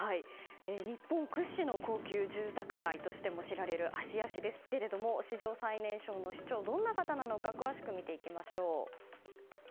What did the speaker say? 日本屈指の高級住宅街としても知られる芦屋市ですが、史上最年少の市長どんな方なのか詳しく見ていきましょう。